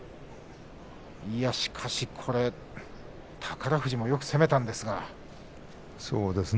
宝富士も、よく攻めたんですが。